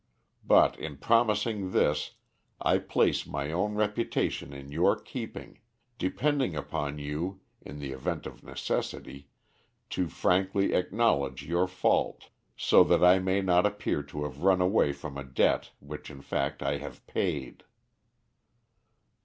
But in promising this I place my own reputation in your keeping, depending upon you, in the event of necessity, to frankly acknowledge your fault, so that I may not appear to have run away from a debt which in fact I have paid.'